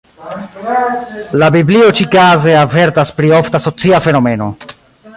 La biblio ĉi-kaze avertas pri ofta socia fenomeno.